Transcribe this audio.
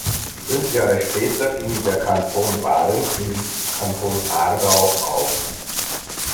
Fünf Jahre später ging der Kanton Baden im Kanton Aargau auf.